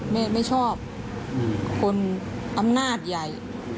ไม่ชอบคนอำนาจใหญ่